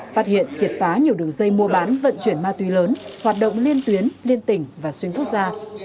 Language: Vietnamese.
phát hiện triệt phá nhiều đường dây mua bán vận chuyển ma túy lớn hoạt động liên tuyến liên tỉnh và xuyên quốc gia